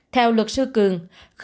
theo luật sư cường